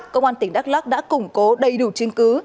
công an tỉnh đắk lắc đã củng cố đầy đủ chứng cứ